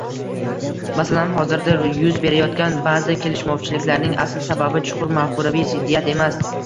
Masalan, hozirda yuz berayotgan ba’zi kelishmovchiliklarning asl sababi chuqur mafkuraviy ziddiyat emas